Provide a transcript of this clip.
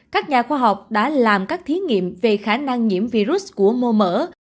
các nhà khoa học đã làm các thiết nghiệm về khả năng nhiễm virus của mô mỡ